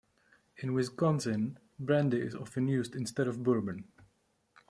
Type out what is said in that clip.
In Wisconsin, brandy is often used instead of bourbon.